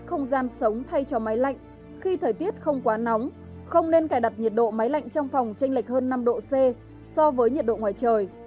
không gian sống thay cho máy lạnh khi thời tiết không quá nóng không nên cài đặt nhiệt độ máy lạnh trong phòng tranh lệch hơn năm độ c so với nhiệt độ ngoài trời